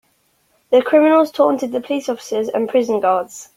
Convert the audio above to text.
The criminals taunted the police officers and prison guards.